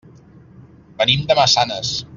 Venim de Massanes.